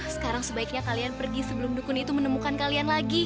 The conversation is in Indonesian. sekarang sebaiknya kalian pergi sebelum dukun itu menemukan kalian lagi